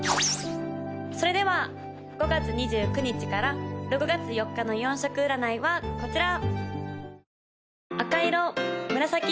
・それでは５月２９日から６月４日の４色占いはこちら！